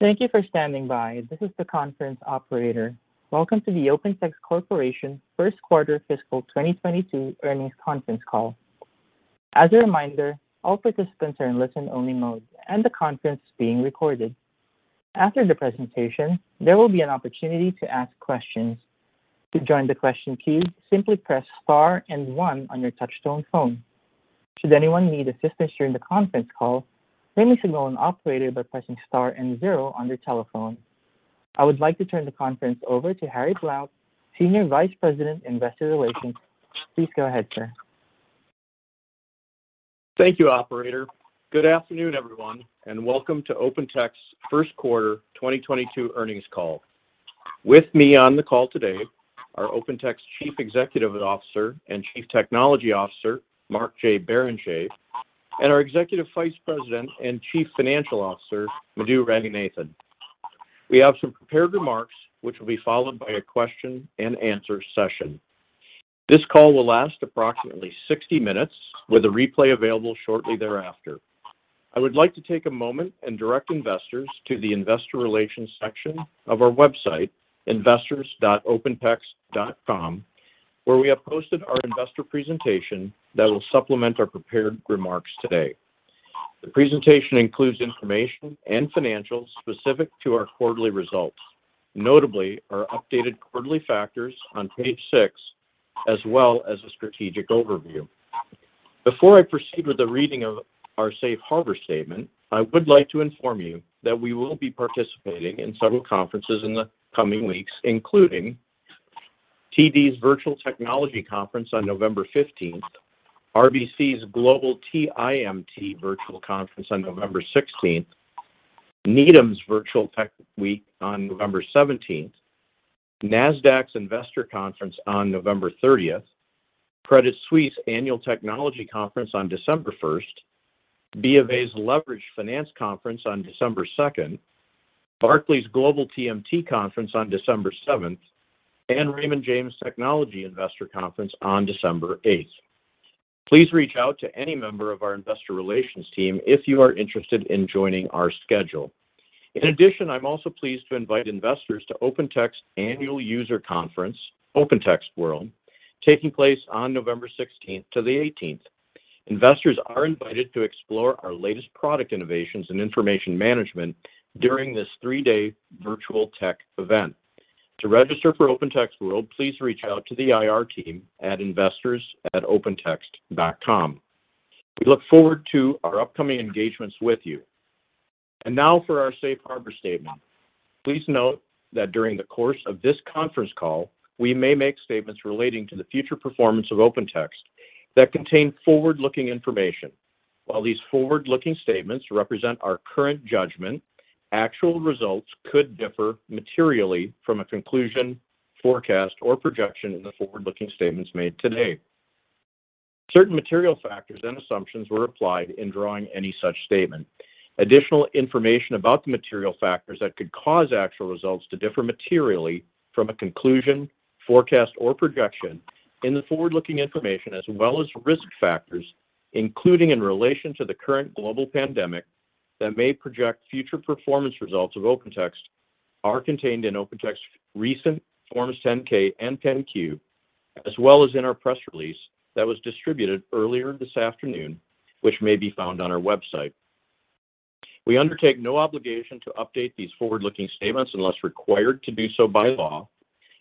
Thank you for standing by. This is the conference operator. Welcome to the OpenText Corporation Q1 fiscal 2022 earnings conference call. As a reminder, all participants are in listen only mode and the conference is being recorded. After the presentation, there will be an opportunity to ask questions. To join the question queue, simply press star and one on your touch tone phone. Should anyone need assistance during the conference call, please signal an operator by pressing star and zero on your telephone. I would like to turn the conference over to Harry Blount, Senior Vice President, Investor Relations. Please go ahead, sir. Thank you, operator. Good afternoon, everyone, and welcome to OpenText's Q1 2022 earnings call. With me on the call today are OpenText's Chief Executive Officer and Chief Technology Officer, Mark J. Barrenechea, and our Executive Vice President and Chief Financial Officer, Madhu Ranganathan. We have some prepared remarks which will be followed by a question and answer session. This call will last approximately 60 minutes, with a replay available shortly thereafter. I would like to take a moment and direct investors to the investor relations section of our website, investors.opentext.com, where we have posted our investor presentation that will supplement our prepared remarks today. The presentation includes information and financials specific to our quarterly results, notably our updated quarterly factors on page six, as well as a strategic overview. Before I proceed with the reading of our safe harbor statement, I would like to inform you that we will be participating in several conferences in the coming weeks, including TD's Virtual Technology Conference on November fifteenth, RBC's Global TIMT Virtual Conference on November sixteenth, Needham's Virtual Tech Week on November seventeenth, Nasdaq's Investor Conference on November thirtieth. Credit Suisse Annual Technology Conference on December first, BofA's Leveraged Finance Conference on December second, Barclays Global TMT Conference on December seventh, and Raymond James Technology Investors Conference on December eighth. Please reach out to any member of our investor relations team if you are interested in joining our schedule. In addition, I'm also pleased to invite investors to OpenText's annual user conference, OpenText World, taking place on November sixteenth to the eighteenth. Investors are invited to explore our latest product innovations and information management during this three-day virtual tech event. To register for OpenText World, please reach out to the IR team at investors@opentext.com. We look forward to our upcoming engagements with you. Now for our safe harbor statement. Please note that during the course of this conference call, we may make statements relating to the future performance of OpenText that contain forward-looking information. While these forward-looking statements represent our current judgment, actual results could differ materially from a conclusion, forecast, or projection in the forward-looking statements made today. Certain material factors and assumptions were applied in drawing any such statement. Additional information about the material factors that could cause actual results to differ materially from a conclusion, forecast, or projection in the forward-looking information, as well as risk factors, including in relation to the current global pandemic that may project future performance results of OpenText, are contained in OpenText's recent Forms 10-K and 10-Q, as well as in our press release that was distributed earlier this afternoon, which may be found on our website. We undertake no obligation to update these forward-looking statements unless required to do so by law.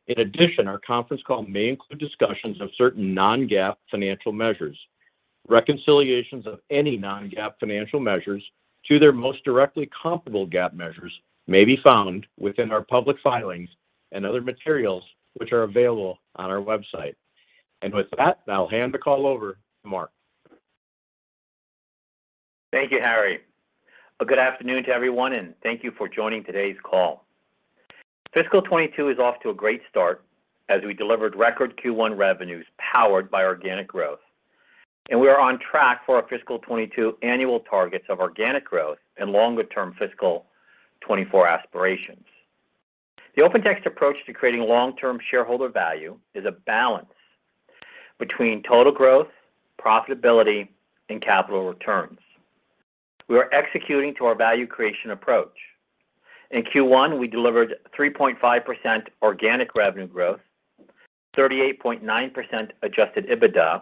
In addition, our conference call may include discussions of certain non-GAAP financial measures. Reconciliations of any non-GAAP financial measures to their most directly comparable GAAP measures may be found within our public filings and other materials which are available on our website. With that, I'll hand the call over to Mark. Thank you, Harry. A good afternoon to everyone, and thank you for joining today's call. Fiscal 2022 is off to a great start as we delivered record Q1 revenues powered by organic growth. We are on track for our Fiscal 2022 annual targets of organic growth and longer term Fiscal 2024 aspirations. The OpenText approach to creating long-term shareholder value is a balance between total growth, profitability, and capital returns. We are executing to our value creation approach. In Q1, we delivered 3.5% organic revenue growth, 38.9% adjusted EBITDA,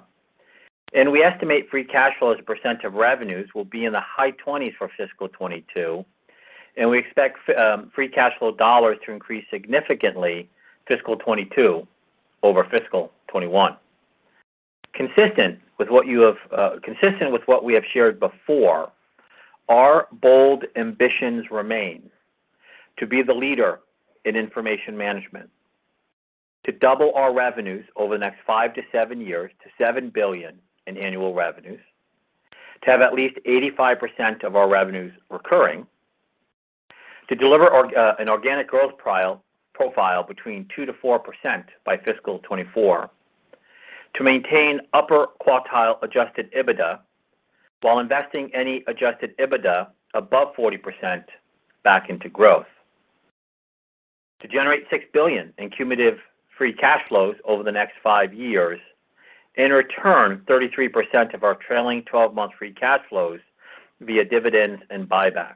and we estimate free cash flow as a percent of revenues will be in the high 20s% for Fiscal 2022, and we expect free cash flow dollars to increase significantly Fiscal 2022 over Fiscal 2021. Consistent with what you have. Consistent with what we have shared before, our bold ambitions remain to be the leader in information management, to double our revenues over the next 5-7 years to $7 billion in annual revenues, to have at least 85% of our revenues recurring, to deliver an organic growth profile between 2%-4% by fiscal 2024, to maintain upper quartile adjusted EBITDA, while investing any adjusted EBITDA above 40% back into growth. To generate $6 billion in cumulative free cash flows over the next 5 years. In return, 33% of our trailing twelve-month free cash flows via dividends and buybacks.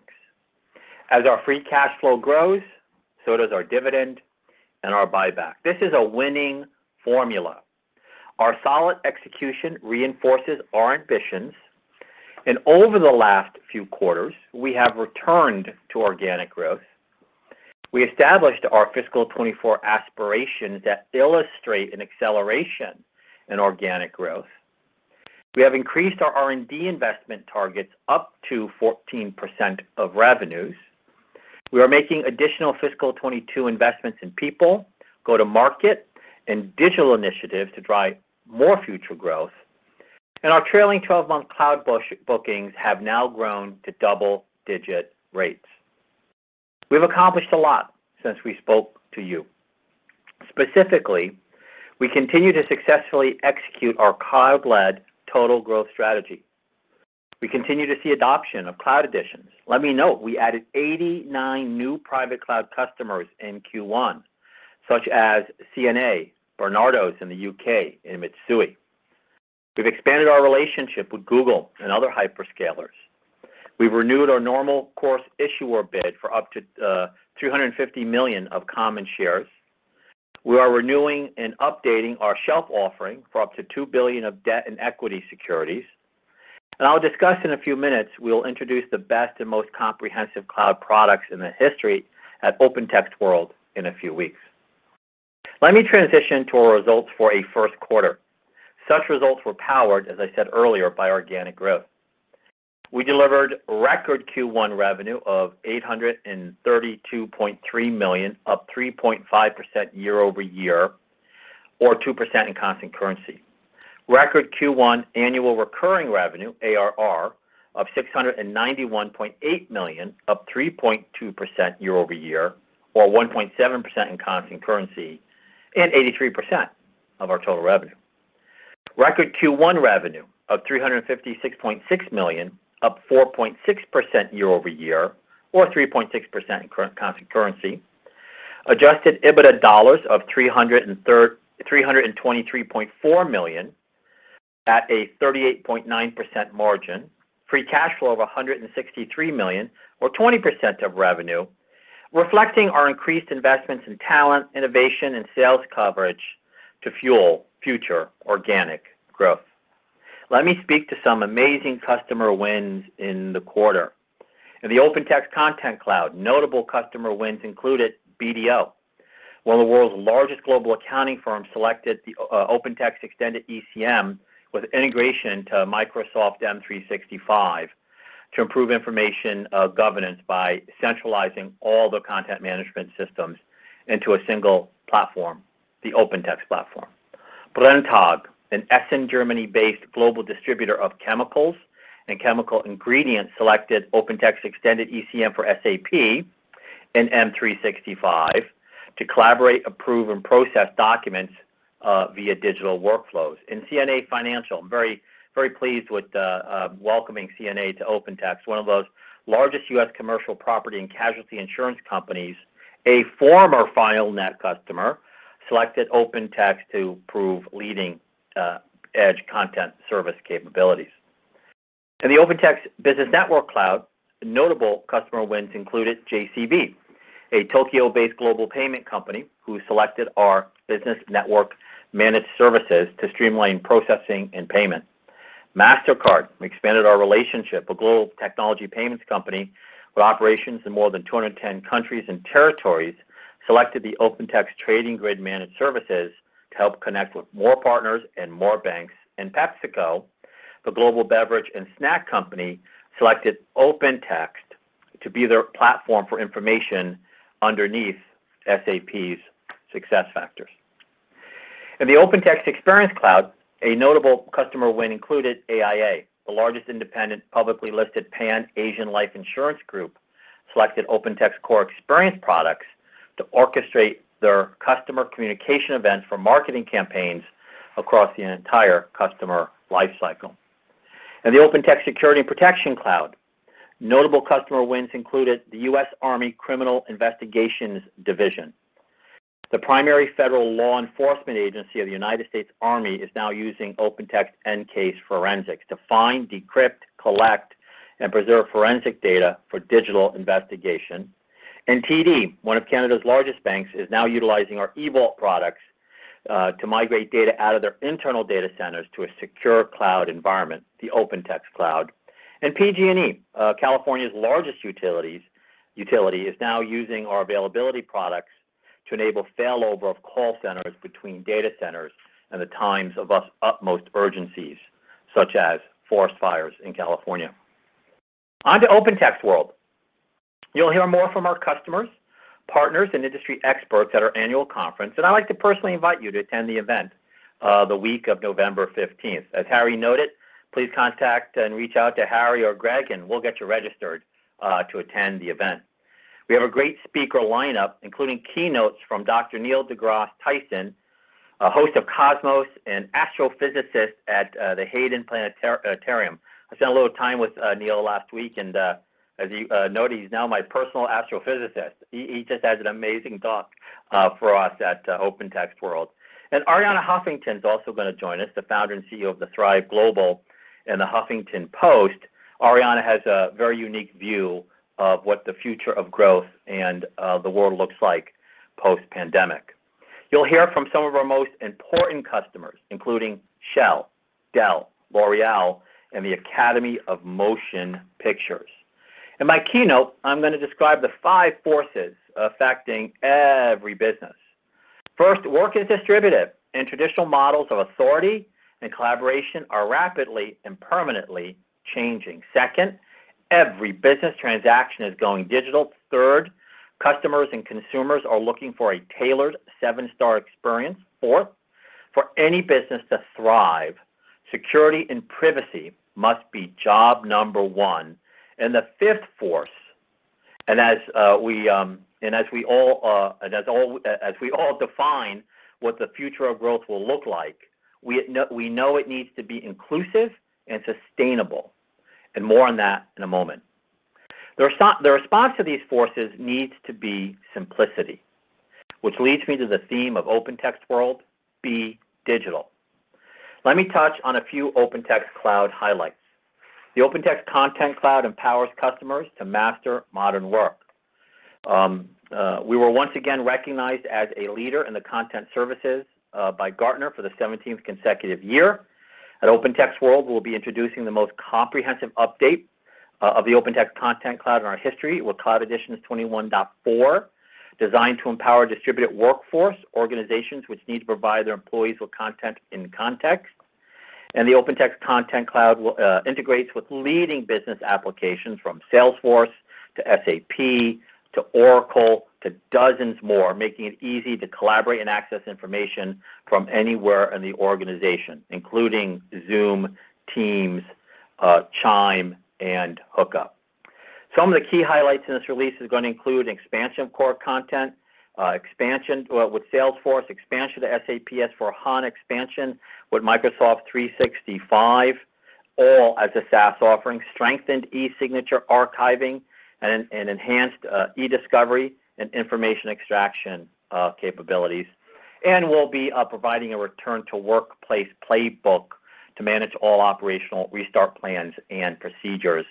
As our free cash flow grows, so does our dividend and our buyback. This is a winning formula. Our solid execution reinforces our ambitions. Over the last few quarters, we have returned to organic growth. We established our fiscal 2024 aspirations that illustrate an acceleration in organic growth. We have increased our R&D investment targets up to 14% of revenues. We are making additional fiscal 2022 investments in people, go-to-market and digital initiatives to drive more future growth. Our trailing 12-month cloud bookings have now grown to double-digit rates. We've accomplished a lot since we spoke to you. Specifically, we continue to successfully execute our cloud-led total growth strategy. We continue to see adoption of cloud editions. Let me note we added 89 new private cloud customers in Q1, such as CNA, Barnardo's in the U.K., and Mitsui. We've expanded our relationship with Google and other hyperscalers. We've renewed our Normal Course Issuer Bid for up to 350 million of common shares. We are renewing and updating our shelf offering for up to $2 billion of debt and equity securities. I'll discuss in a few minutes, we'll introduce the best and most comprehensive cloud products in the history at OpenText World in a few weeks. Let me transition to our results for the Q1. Such results were powered, as I said earlier, by organic growth. We delivered record Q1 revenue of $832.3 million, up 3.5% year-over-year or 2% in constant currency. Record Q1 annual recurring revenue, ARR, of $691.8 million, up 3.2% year-over-year or 1.7% in constant currency and 83% of our total revenue. Record Q1 revenue of $356.6 million, up 4.6% year over year or 3.6% in constant currency. Adjusted EBITDA of $323.4 million at a 38.9% margin. Free cash flow of $163 million or 20% of revenue, reflecting our increased investments in talent, innovation, and sales coverage to fuel future organic growth. Let me speak to some amazing customer wins in the quarter. In the OpenText Content Cloud, notable customer wins included BDO. One of the world's largest global accounting firms selected the OpenText Extended ECM with integration to Microsoft M365 to improve information governance by centralizing all their content management systems into a single platform, the OpenText platform. Brenntag, an Essen, Germany-based global distributor of chemicals and chemical ingredients, selected OpenText Extended ECM for SAP and M365 to collaborate, approve, and process documents via digital workflows. CNA Financial, I'm very, very pleased with welcoming CNA to OpenText, one of the largest US commercial property and casualty insurance companies, a former FileNet customer, selected OpenText to prove leading edge content service capabilities. In the OpenText Business Network Cloud, notable customer wins included JCB, a Tokyo-based global payment company who selected our business network managed services to streamline processing and payment. Mastercard, we expanded our relationship. A global technology payments company with operations in more than 210 countries and territories, selected the OpenText Trading Grid managed services to help connect with more partners and more banks. PepsiCo, the global beverage and snack company, selected OpenText to be their platform for information underneath SAP's SuccessFactors. In the OpenText Experience Cloud, a notable customer win included AIA. The largest independent, publicly listed Pan-Asian life insurance group selected OpenText Core Experience products to orchestrate their customer communication events for marketing campaigns across the entire customer life cycle. In the OpenText Security & Protection Cloud, notable customer wins included the U.S. Army Criminal Investigation Division. The primary federal law enforcement agency of the U.S. Army is now using OpenText EnCase Forensic to find, decrypt, collect, and preserve forensic data for digital investigation. TD, one of Canada's largest banks, is now utilizing our EVault products to migrate data out of their internal data centers to a secure cloud environment, the OpenText Cloud. PG&E, California's largest utility, is now using our availability products to enable failover of call centers between data centers in the times of utmost urgencies, such as forest fires in California. Onto OpenText World. You'll hear more from our customers, partners, and industry experts at our annual conference. I'd like to personally invite you to attend the event, the week of November fifteenth. As Harry noted, please contact and reach out to Harry or Greg, and we'll get you registered, to attend the event. We have a great speaker lineup, including keynotes from Dr. Neil deGrasse Tyson. A host of Cosmos and astrophysicist at the Hayden Planetarium. I spent a little time with Neil last week, and, as you know, he's now my personal astrophysicist. He just has an amazing talk for us at OpenText World. Arianna Huffington is also gonna join us, the founder and CEO of Thrive Global and The Huffington Post. Arianna has a very unique view of what the future of growth and the world looks like post-pandemic. You'll hear from some of our most important customers, including Shell, Dell, L'Oréal, and the Academy of Motion Pictures. In my keynote, I'm gonna describe the five forces affecting every business. First, work is distributed, and traditional models of authority and collaboration are rapidly and permanently changing. Second, every business transaction is going digital. Third, customers and consumers are looking for a tailored seven-star experience. Fourth, for any business to thrive, security and privacy must be job number one. The fifth force, as we all define what the future of growth will look like, we know it needs to be inclusive and sustainable. More on that in a moment. The response to these forces needs to be simplicity. Which leads me to the theme of OpenText World, Be Digital. Let me touch on a few OpenText Cloud highlights. The OpenText Content Cloud empowers customers to master modern work. We were once again recognized as a leader in the content services by Gartner for the seventeenth consecutive year. At OpenText World, we'll be introducing the most comprehensive update of the OpenText Content Cloud in our history with Cloud Edition 21.4, designed to empower distributed workforce organizations which need to provide their employees with content in context. The OpenText Content Cloud integrates with leading business applications from Salesforce to SAP to Oracle to dozens more, making it easy to collaborate and access information from anywhere in the organization, including Zoom, Teams, Chime, and Hookup. Some of the key highlights in this release is gonna include an expansion of core content, expansion with Salesforce, expansion to SAP S/4HANA, expansion with Microsoft 365, all as a SaaS offering, strengthened e-signature archiving and enhanced e-discovery and information extraction capabilities. We'll be providing a return to workplace playbook to manage all operational restart plans and procedures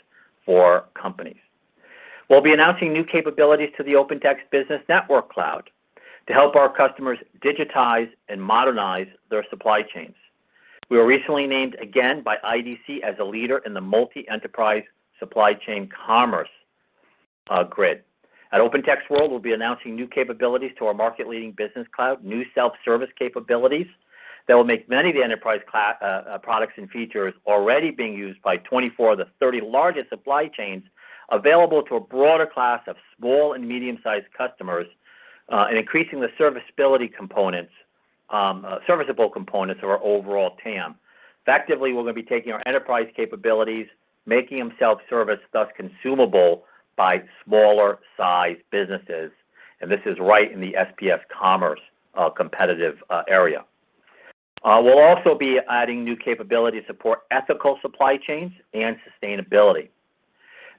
for companies. We'll be announcing new capabilities to the OpenText Business Network Cloud to help our customers digitize and modernize their supply chains. We were recently named again by IDC as a leader in the multi-enterprise supply chain commerce grid. At OpenText World, we'll be announcing new capabilities to our market-leading Business Cloud, new self-service capabilities that will make many of the enterprise products and features already being used by 24 of the 30 largest supply chains available to a broader class of small and medium-sized customers, and increasing the serviceable components of our overall TAM. Effectively, we're gonna be taking our enterprise capabilities, making them self-service, thus consumable by smaller-sized businesses. This is right in the SPS Commerce competitive area. We'll also be adding new capabilities to support ethical supply chains and sustainability.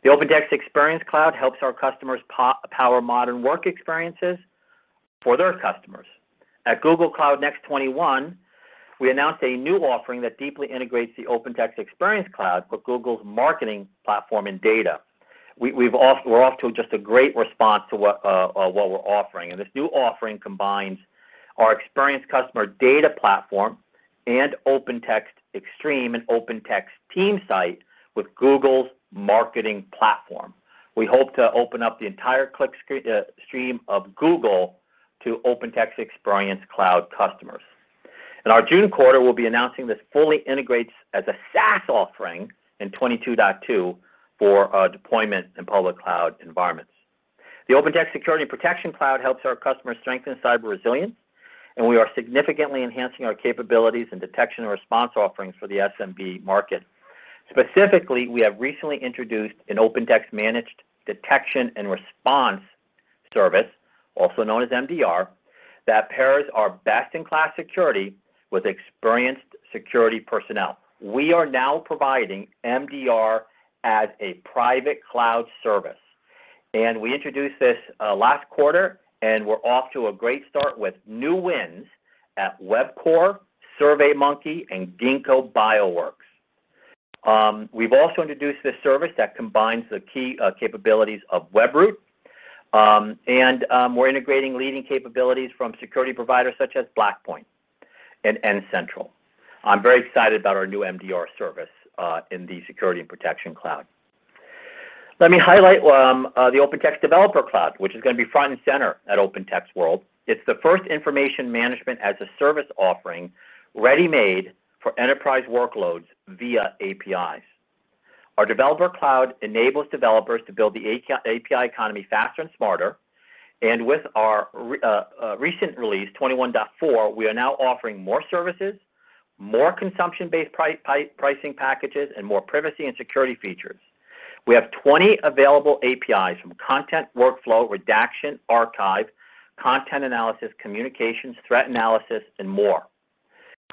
The OpenText Experience Cloud helps our customers power modern work experiences for their customers. At Google Cloud Next '21, we announced a new offering that deeply integrates the OpenText Experience Cloud for Google Marketing Platform and data. We're off to just a great response to what we're offering. This new offering combines our Experience Customer Data Platform and OpenText Exstream and OpenText TeamSite with Google Marketing Platform. We hope to open up the entire clickstream of Google to OpenText Experience Cloud customers. In our June quarter, we'll be announcing this fully integrates as a SaaS offering in 22.2 for deployment in public cloud environments. The OpenText Security & Protection Cloud helps our customers strengthen cyber resilience, and we are significantly enhancing our capabilities and detection response offerings for the SMB market. Specifically, we have recently introduced an OpenText managed detection and response service, also known as MDR, that pairs our best-in-class security with experienced security personnel. We are now providing MDR as a private cloud service, and we introduced this last quarter and we're off to a great start with new wins at Webcor, SurveyMonkey, and Ginkgo Bioworks. We've also introduced this service that combines the key capabilities of Webroot and we're integrating leading capabilities from security providers such as Blackpoint and N-central. I'm very excited about our new MDR service in the Security & Protection Cloud. Let me highlight the OpenText Developer Cloud, which is gonna be front and center at OpenText World. It's the first information management as a service offering ready-made for enterprise workloads via APIs. Our Developer Cloud enables developers to build the API economy faster and smarter. With our recent release, 21.4, we are now offering more services, more consumption-based pricing packages, and more privacy and security features. We have 20 available APIs from content workflow, redaction, archive, content analysis, communications, threat analysis, and more.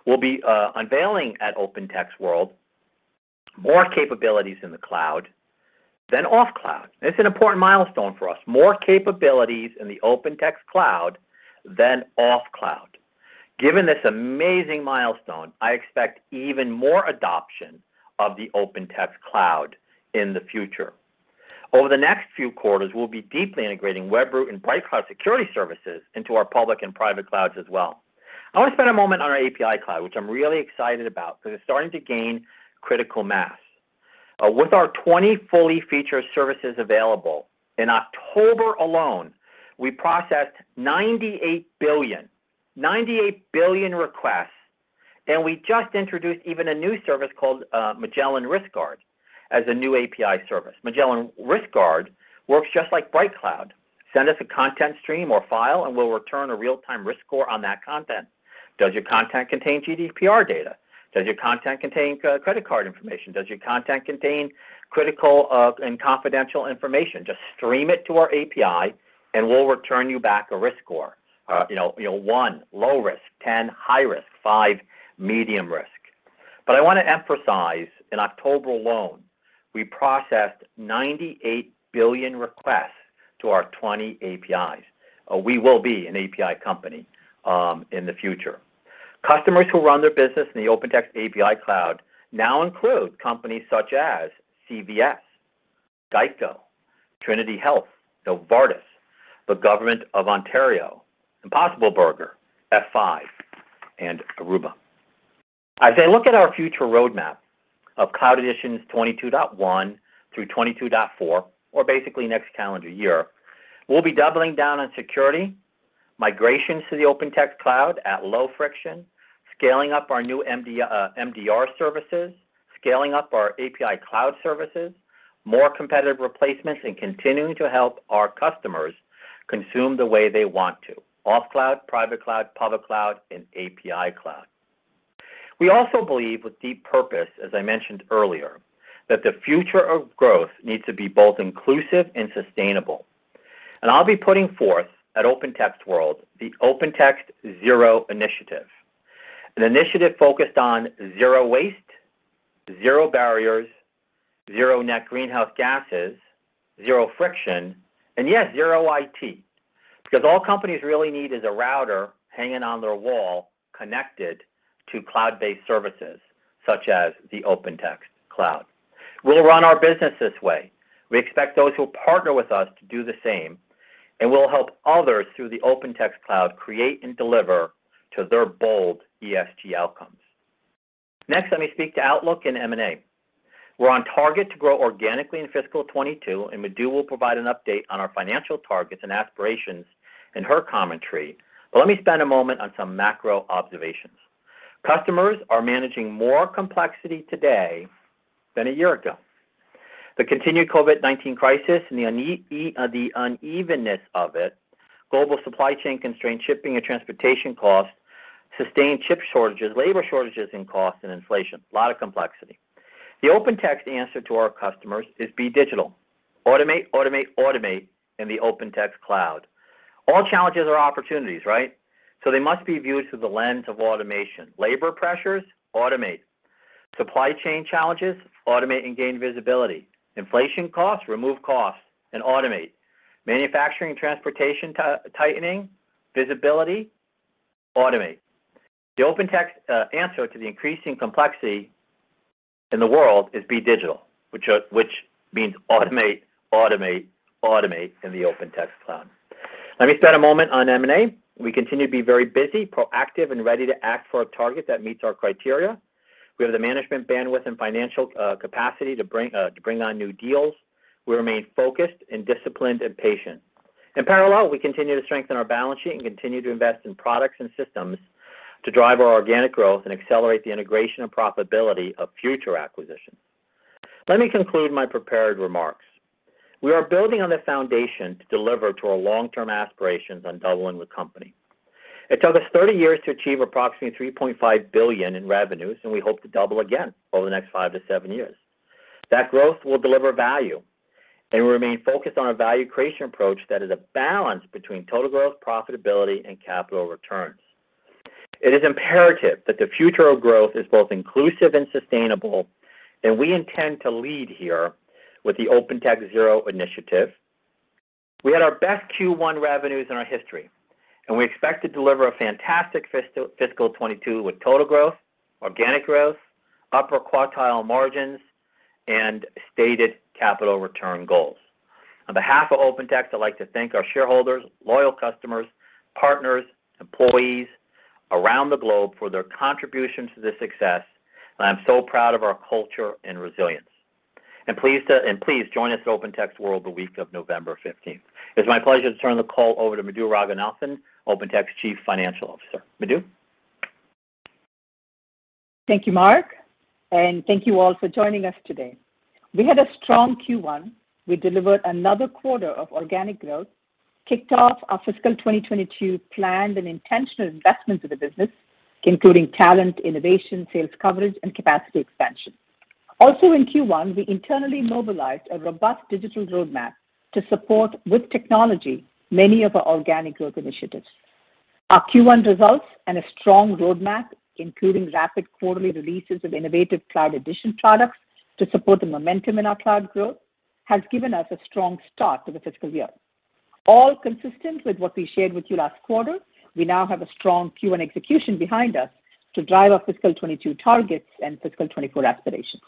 We'll be unveiling at OpenText World more capabilities in the cloud than off cloud. It's an important milestone for us. More capabilities in the OpenText cloud than off cloud. Given this amazing milestone, I expect even more adoption of the OpenText cloud in the future. Over the next few quarters, we'll be deeply integrating Webroot and BrightCloud security services into our public and private clouds as well. I want to spend a moment on our API cloud, which I'm really excited about because it's starting to gain critical mass. With our 20 fully featured services available, in October alone, we processed 98 billion requests. We just introduced a new service called Magellan Risk Guard as a new API service. Magellan Risk Guard works just like BrightCloud. Send us a content stream or file, and we'll return a real-time risk score on that content. Does your content contain GDPR data? Does your content contain credit card information? Does your content contain critical and confidential information? Just stream it to our API, and we'll return you back a risk score. You know, 1, low risk, 10, high risk, 5, medium risk. I want to emphasize, in October alone, we processed 98 billion requests to our 20 APIs. We will be an API company in the future. Customers who run their business in the OpenText API Cloud now include companies such as CVS, GEICO, Trinity Health, Novartis, the government of Ontario, Impossible Burger, F5, and Aruba. As I look at our future roadmap of Cloud Editions 22.1 through 22.4, or basically next calendar year, we'll be doubling down on security, migrations to the OpenText Cloud at low friction, scaling up our new MDR services, scaling up our API Cloud services, more competitive replacements, and continuing to help our customers consume the way they want to, off cloud, private cloud, public cloud, and API Cloud. We also believe with deep purpose, as I mentioned earlier, that the future of growth needs to be both inclusive and sustainable. I'll be putting forth at OpenText World the OpenText Zero-In Initiative, an initiative focused on zero waste, zero barriers, zero net greenhouse gases, zero friction, and yes, zero IT. Because all companies really need is a router hanging on their wall connected to cloud-based services such as the OpenText Cloud. We'll run our business this way. We expect those who partner with us to do the same, and we'll help others through the OpenText Cloud create and deliver to their bold ESG outcomes. Next, let me speak to outlook and M&A. We're on target to grow organically in fiscal 2022, and Madhu will provide an update on our financial targets and aspirations in her commentary. Let me spend a moment on some macro observations. Customers are managing more complexity today than a year ago. The continued COVID-19 crisis and the unevenness of it, global supply chain constraints, shipping and transportation costs, sustained chip shortages, labor shortages and costs and inflation. A lot of complexity. The OpenText answer to our customers is be digital. Automate, automate in the OpenText cloud. All challenges are opportunities, right? They must be viewed through the lens of automation. Labor pressures, automate. Supply chain challenges, automate and gain visibility. Inflation costs, remove costs and automate. Manufacturing, transportation tightening, visibility, automate. The OpenText answer to the increasing complexity in the world is be digital, which means automate, automate in the OpenText cloud. Let me spend a moment on M&A. We continue to be very busy, proactive, and ready to act for a target that meets our criteria. We have the management bandwidth and financial capacity to bring on new deals. We remain focused and disciplined and patient. In parallel, we continue to strengthen our balance sheet and continue to invest in products and systems to drive our organic growth and accelerate the integration and profitability of future acquisitions. Let me conclude my prepared remarks. We are building on the foundation to deliver to our long-term aspirations on doubling the company. It took us 30 years to achieve approximately $3.5 billion in revenues, and we hope to double again over the next 5-7 years. That growth will deliver value, and we remain focused on a value creation approach that is a balance between total growth, profitability, and capital returns. It is imperative that the future of growth is both inclusive and sustainable, and we intend to lead here with the OpenText Zero-In Initiative. We had our best Q1 revenues in our history, and we expect to deliver a fantastic fiscal 2022 with total growth, organic growth, upper quartile margins, and stated capital return goals. On behalf of OpenText, I'd like to thank our shareholders, loyal customers, partners, employees around the globe for their contribution to this success. I am so proud of our culture and resilience. Please join us at OpenText World the week of November 15. It's my pleasure to turn the call over to Madhu Ranganathan, OpenText Chief Financial Officer. Madhu. Thank you, Mark, and thank you all for joining us today. We had a strong Q1. We delivered another quarter of organic growth. Kicked off our fiscal 2022 planned and intentional investments of the business, including talent, innovation, sales coverage, and capacity expansion. Also in Q1, we internally mobilized a robust digital roadmap to support with technology many of our organic growth initiatives. Our Q1 results and a strong roadmap, including rapid quarterly releases of innovative cloud edition products to support the momentum in our cloud growth, has given us a strong start to the fiscal year. All consistent with what we shared with you last quarter, we now have a strong Q1 execution behind us to drive our fiscal 2022 targets and fiscal 2024 aspirations.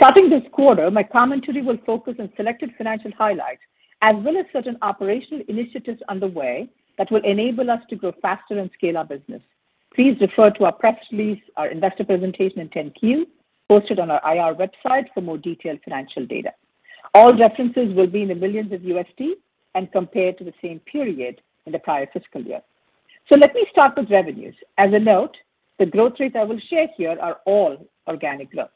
Starting this quarter, my commentary will focus on selected financial highlights as well as certain operational initiatives underway that will enable us to grow faster and scale our business. Please refer to our press release, our investor presentation in 10-Q, posted on our IR website for more detailed financial data. All references will be in the millions of USD and compared to the same period in the prior fiscal year. Let me start with revenues. As a note, the growth rates I will share here are all organic growth.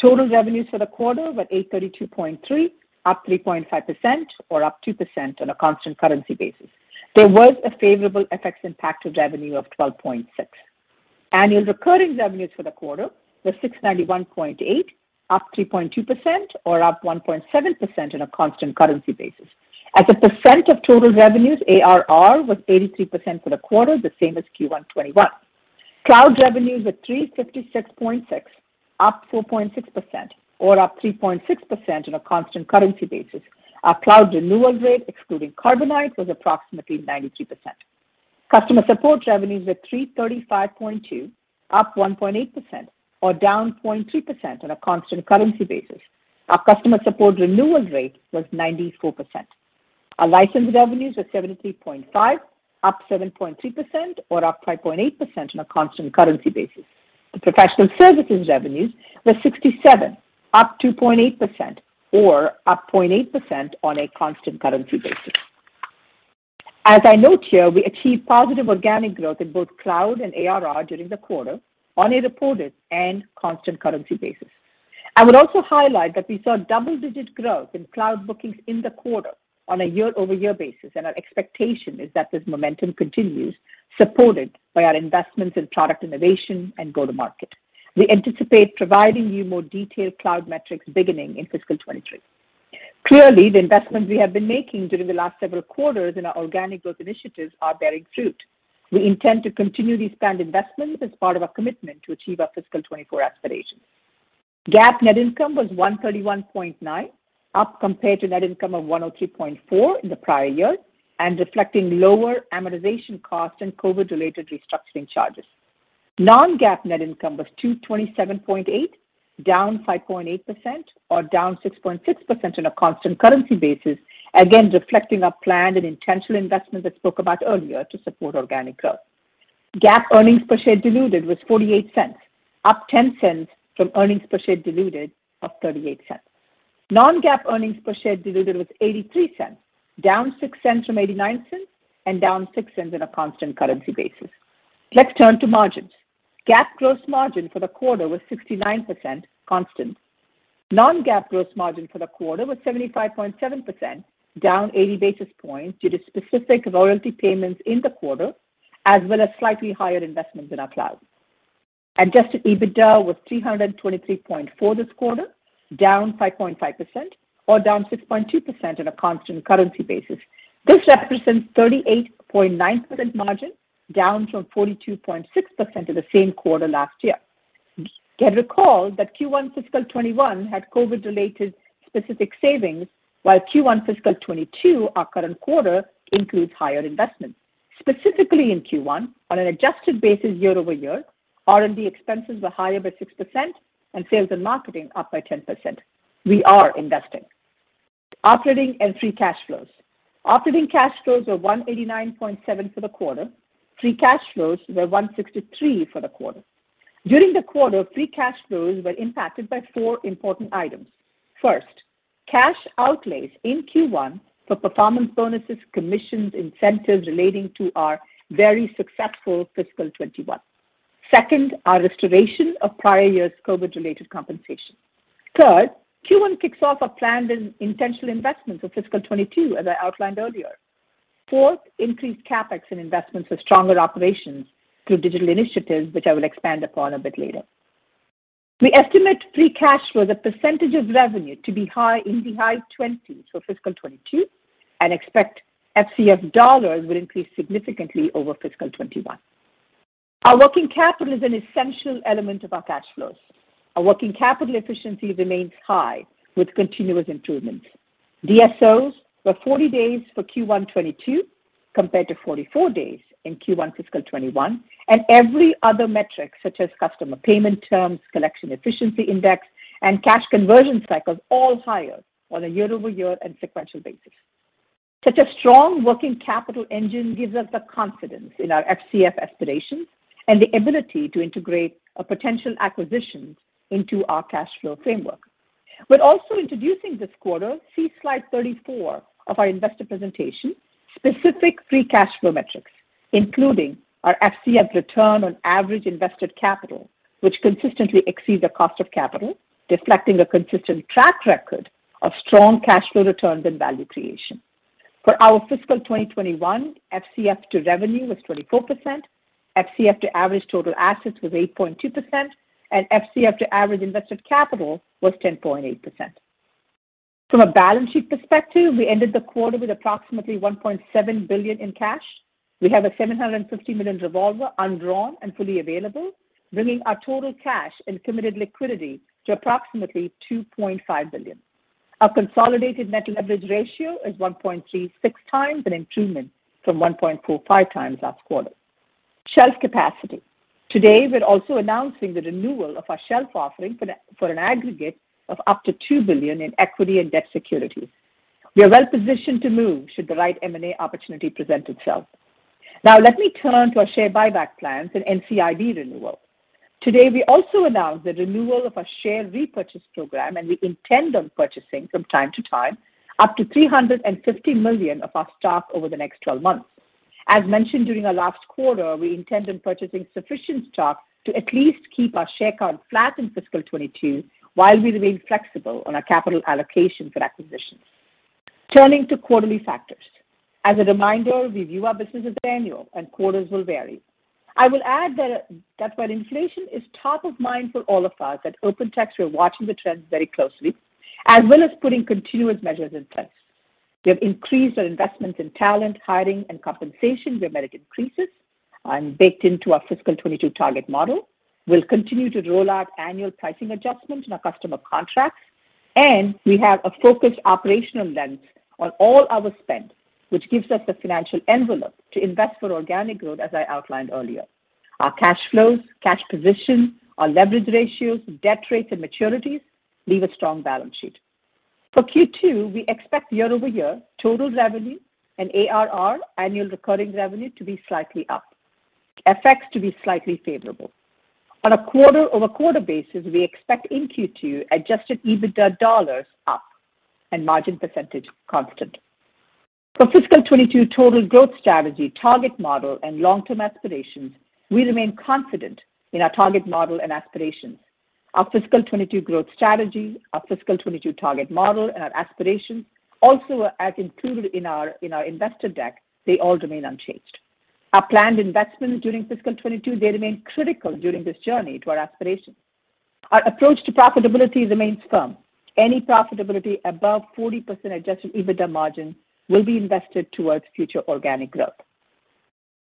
Total revenues for the quarter were $832.3 million, up 3.5% or up 2% on a constant currency basis. There was a favorable FX impact to revenue of $12.6 million. Annual recurring revenues for the quarter were $691.8 million, up 3.2% or up 1.7% on a constant currency basis. As a percent of total revenues, ARR was 83% for the quarter, the same as Q1 2021. Cloud revenues were $356.6 million, up 4.6% or up 3.6% on a constant currency basis. Our cloud renewal rate, excluding Carbonite, was approximately 92%. Customer support revenues were $335.2 million, up 1.8% or down 0.3% on a constant currency basis. Our customer support renewal rate was 94%. Our license revenues were $73.5 million, up 7.3% or up 5.8% on a constant currency basis. The professional services revenues were $67, up 2.8% or up 0.8% on a constant currency basis. As I note here, we achieved positive organic growth in both cloud and ARR during the quarter on a reported and constant currency basis. I would also highlight that we saw double-digit growth in cloud bookings in the quarter on a year-over-year basis, and our expectation is that this momentum continues, supported by our investments in product innovation and go-to-market. We anticipate providing you more detailed cloud metrics beginning in fiscal 2023. Clearly, the investments we have been making during the last several quarters in our organic growth initiatives are bearing fruit. We intend to continue these planned investments as part of our commitment to achieve our fiscal 2024 aspirations. GAAP net income was $131.9 million, up compared to net income of $103.4 million in the prior year and reflecting lower amortization costs and COVID-related restructuring charges. Non-GAAP net income was $227.8 million, down 5.8% or down 6.6% on a constant currency basis, again reflecting our planned and intentional investments I spoke about earlier to support organic growth. GAAP earnings per share diluted was $0.48, up $0.10 from earnings per share diluted of $0.38. Non-GAAP earnings per share diluted was $0.83, down $0.06 from $0.89 and down $0.06 on a constant currency basis. Let's turn to margins. GAAP gross margin for the quarter was 69% constant. non-GAAP gross margin for the quarter was 75.7%, down 80 basis points due to specific royalty payments in the quarter, as well as slightly higher investments in our cloud. Adjusted EBITDA was $323.4 this quarter, down 5.5% or down 6.2% on a constant currency basis. This represents 38.9% margin, down from 42.6% in the same quarter last year. You can recall that Q1 fiscal 2021 had COVID-related specific savings, while Q1 fiscal 2022, our current quarter, includes higher investments. Specifically in Q1, on an adjusted basis year-over-year, R&D expenses were higher by 6% and sales and marketing up by 10%. We are investing. Operating and free cash flows. Operating cash flows were $189.7 for the quarter. Free cash flows were $163 million for the quarter. During the quarter, free cash flows were impacted by four important items. First, cash outlays in Q1 for performance bonuses, commissions, incentives relating to our very successful fiscal 2021. Second, our restoration of prior year's COVID-related compensation. Third, Q1 kicks off our planned and intentional investments for fiscal 2022, as I outlined earlier. Fourth, increased CapEx in investments for stronger operations through digital initiatives, which I will expand upon a bit later. We estimate free cash flow as a percentage of revenue to be in the high 20s% for fiscal 2022 and expect FCF dollars will increase significantly over fiscal 2021. Our working capital is an essential element of our cash flows. Our working capital efficiency remains high with continuous improvement. DSOs were 40 days for Q1 2022 compared to 44 days in Q1 fiscal 2021, and every other metric, such as customer payment terms, collection efficiency index, and cash conversion cycles, all higher on a year-over-year and sequential basis. Such a strong working capital engine gives us the confidence in our FCF aspirations and the ability to integrate a potential acquisition into our cash flow framework. We're also introducing this quarter, see slide 34 of our investor presentation, specific free cash flow metrics. Including our FCF return on average invested capital, which consistently exceeds the cost of capital, reflecting a consistent track record of strong cash flow returns and value creation. For our fiscal 2021, FCF to revenue was 24%, FCF to average total assets was 8.2%, and FCF to average invested capital was 10.8%. From a balance sheet perspective, we ended the quarter with approximately $1.7 billion in cash. We have a $750 million revolver undrawn and fully available, bringing our total cash and committed liquidity to approximately $2.5 billion. Our consolidated net leverage ratio is 1.36 times, an improvement from 1.45 times last quarter. Shelf capacity. Today, we're also announcing the renewal of our shelf offering for an aggregate of up to $2 billion in equity and debt securities. We are well-positioned to move should the right M&A opportunity present itself. Now let me turn to our share buyback plans and NCIB renewal. Today, we also announced the renewal of our share repurchase program, and we intend on purchasing from time to time up to $350 million of our stock over the next twelve months. As mentioned during our last quarter, we intend on purchasing sufficient stock to at least keep our share count flat in fiscal 2022 while we remain flexible on our capital allocation for acquisitions. Turning to quarterly factors. As a reminder, we view our business as annual and quarters will vary. I will add that while inflation is top of mind for all of us, at OpenText, we are watching the trends very closely as well as putting continuous measures in place. We have increased our investments in talent, hiring, and compensation with merit increases and baked into our fiscal 2022 target model. We'll continue to roll out annual pricing adjustments in our customer contracts, and we have a focused operational lens on all our spend, which gives us the financial envelope to invest for organic growth, as I outlined earlier. Our cash flows, cash position, our leverage ratios, debt rates, and maturities leave a strong balance sheet. For Q2, we expect year-over-year total revenue and ARR, annual recurring revenue, to be slightly up. FX effects to be slightly favorable. On a quarter-over-quarter basis, we expect in Q2 adjusted EBITDA dollars up and margin percentage constant. For fiscal 2022 total growth strategy, target model, and long-term aspirations, we remain confident in our target model and aspirations. Our fiscal 2022 growth strategy, our fiscal 2022 target model, and our aspirations also are as included in our investor deck, they all remain unchanged. Our planned investments during fiscal 2022, they remain critical during this journey to our aspirations. Our approach to profitability remains firm. Any profitability above 40% adjusted EBITDA margin will be invested towards future organic growth.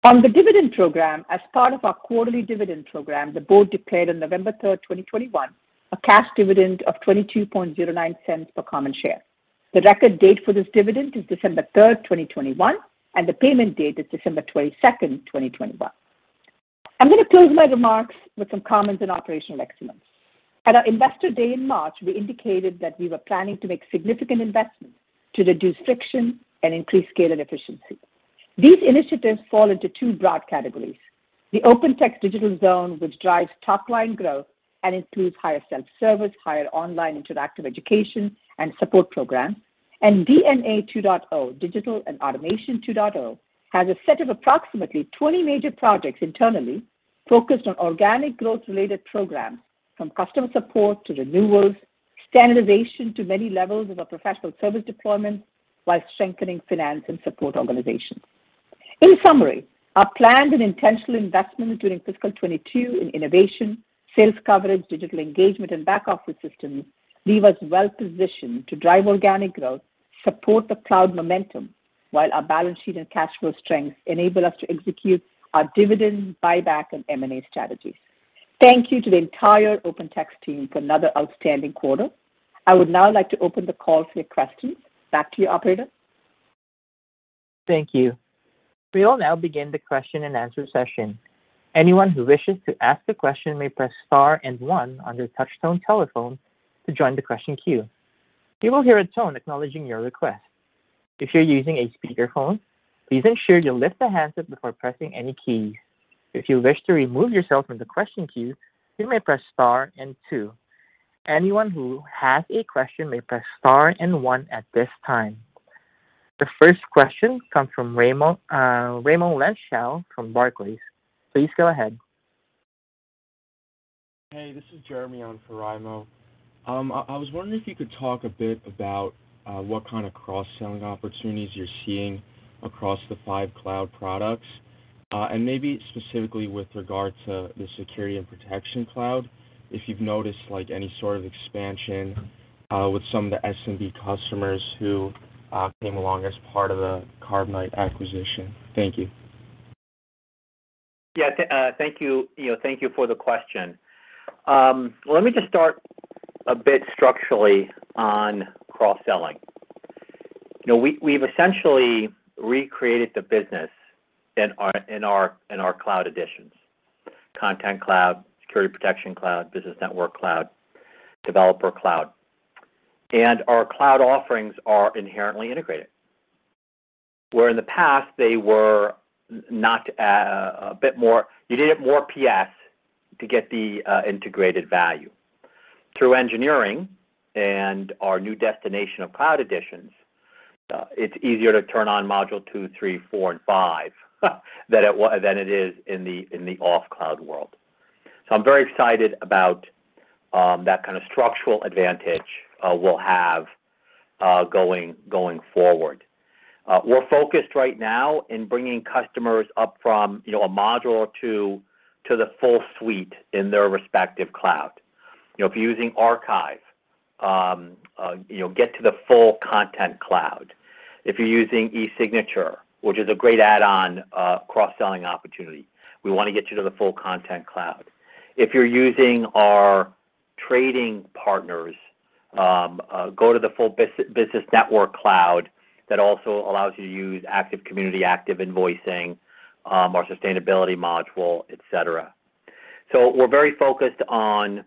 On the dividend program, as part of our quarterly dividend program, the board declared on November 3, 2021, a cash dividend of $0.2209 per common share. The record date for this dividend is December 3, 2021, and the payment date is December 22, 2021. I'm gonna close my remarks with some comments on operational excellence. At our Investor Day in March, we indicated that we were planning to make significant investments to reduce friction and increase scale and efficiency. These initiatives fall into two broad categories. The OpenText Digital Zone, which drives top-line growth and includes higher self-service, higher online interactive education and support programs. D&A 2.0, Digital and Automation 2.0, has a set of approximately 20 major projects internally focused on organic growth-related programs, from customer support to renewals, standardization to many levels of our professional service deployments, while strengthening finance and support organizations. In summary, our planned and intentional investments during fiscal 2022 in innovation, sales coverage, digital engagement, and back office systems leave us well-positioned to drive organic growth, support the cloud momentum while our balance sheet and cash flow strengths enable us to execute our dividend, buyback, and M&A strategies. Thank you to the entire OpenText team for another outstanding quarter. I would now like to open the call for your questions. Back to you, operator. Thank you. We will now begin the question and answer session. Anyone who wishes to ask a question may press star and one on their touchtone telephone to join the question queue. You will hear a tone acknowledging your request. If you're using a speakerphone, please ensure you lift the handset before pressing any keys. If you wish to remove yourself from the question queue, you may press star and two. Anyone who has a question may press star and one at this time. The first question comes from Raimo Lenschow from Barclays. Please go ahead. Hey, this is Jeremy on for Raimo. I was wondering if you could talk a bit about what kind of cross-selling opportunities you're seeing across the five cloud products, and maybe specifically with regard to the Security and Protection Cloud, if you've noticed, like, any sort of expansion with some of the SMB customers who came along as part of the Carbonite acquisition. Thank you. Yeah. Thank you. You know, thank you for the question. Let me just start a bit structurally on cross-selling. You know, we've essentially recreated the business in our cloud editions: Content Cloud, Security & Protection Cloud, Business Network Cloud, Developer Cloud. Our cloud offerings are inherently integrated, where in the past they were not a bit more. You needed more PS to get the integrated value. Through engineering and our new destination of Cloud Editions, it's easier to turn on module 2, 3, 4, and 5 than it is in the off-cloud world. I'm very excited about that kind of structural advantage we'll have going forward. We're focused right now in bringing customers up from, you know, a module or 2 to the full suite in their respective cloud. You know, if you're using archive, you know, get to the full Content Cloud. If you're using e-signature, which is a great add-on cross-selling opportunity, we wanna get you to the full Content Cloud. If you're using our trading partners, go to the full Business Network Cloud that also allows you to use Active Community, Active Invoicing, our sustainability module, et cetera. We're very focused on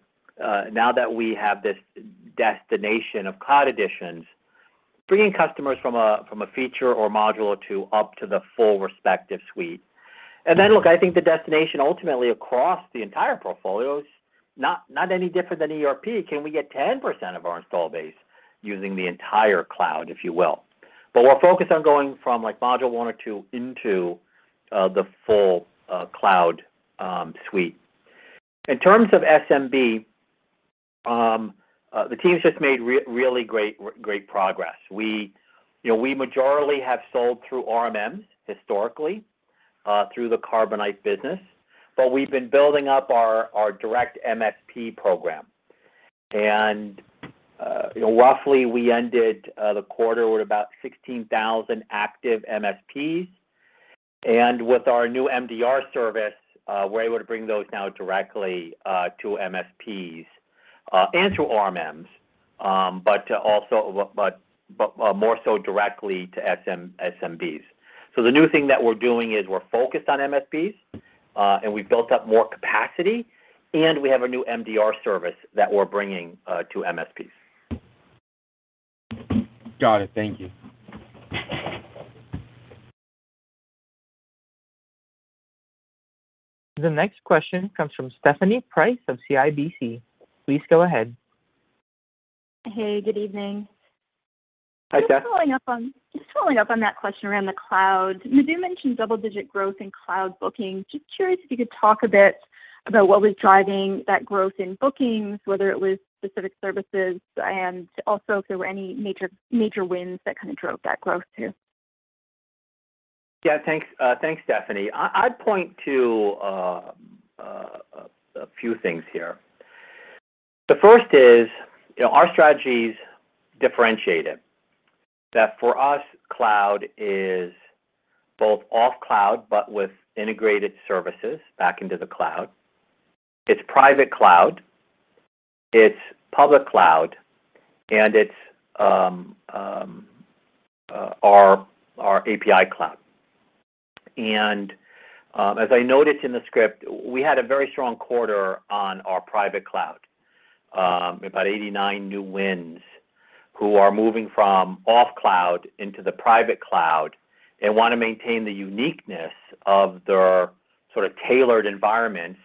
now that we have this destination of cloud editions, bringing customers from a feature or module or two up to the full respective suite. Look, I think the destination ultimately across the entire portfolio is not any different than ERP. Can we get 10% of our install base using the entire cloud, if you will? We're focused on going from like module one or two into the full cloud suite. In terms of SMB, the team's just made really great progress. We, you know, we majorly have sold through RMMs historically through the Carbonite business, but we've been building up our direct MSP program. You know, roughly, we ended the quarter with about 16,000 active MSPs. With our new MDR service, we're able to bring those now directly to MSPs and through RMMs, but more so directly to SMBs. The new thing that we're doing is we're focused on MSPs, and we've built up more capacity, and we have a new MDR service that we're bringing to MSPs. Got it. Thank you. The next question comes from Stephanie Price of CIBC. Please go ahead. Hey, good evening. Hi, Steph. Just following up on that question around the cloud. I know you mentioned double-digit growth in cloud bookings. Just curious if you could talk a bit about what was driving that growth in bookings, whether it was specific services, and also if there were any major wins that kind of drove that growth too. Yeah. Thanks, Stephanie. I'd point to a few things here. The first is, you know, our strategy's differentiated. That for us, cloud is both on cloud, but with integrated services back into the cloud. It's private cloud, it's public cloud, and it's our API cloud. As I noted in the script, we had a very strong quarter on our private cloud. About 89 new wins who are moving from on cloud into the private cloud and wanna maintain the uniqueness of their sort of tailored environments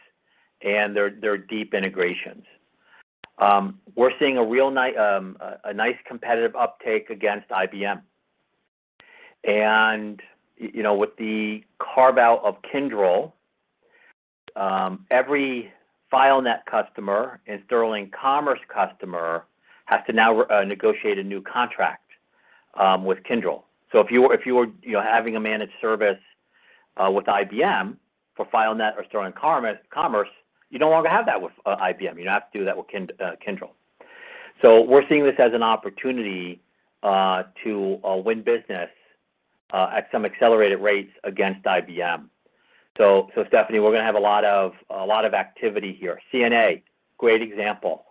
and their deep integrations. We're seeing a nice competitive uptake against IBM. You know, with the carve-out of Kyndryl, every FileNet customer and Sterling Commerce customer has to now negotiate a new contract with Kyndryl. If you were you know having a managed service with IBM for FileNet or Sterling Commerce, you no longer have that with IBM. You now have to do that with Kyndryl. We're seeing this as an opportunity to win business at some accelerated rates against IBM. Stephanie, we're gonna have a lot of activity here. CNA, great example.